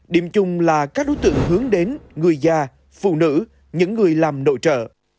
điểm chung là các đối tượng hướng đến người già phụ nữ những người làm nội trợ